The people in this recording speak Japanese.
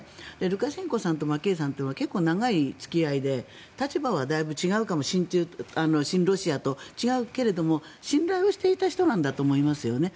ルカシェンコさんとマケイさんというのは結構長い付き合いで立場はだいぶ違うかも親ロシアと違うけれども信頼はしていた人なんだと思いますよね。